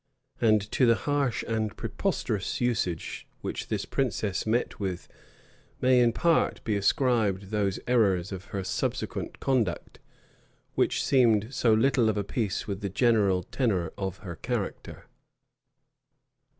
And to the harsh and preposterous usage which this princess met with may, in part, be ascribed those errors of her subsequent conduct which seemed so little of a piece with the general tenor of her character.